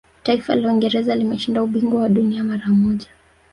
taifa la uingereza limeshinda ubingwa wa dunia mara moja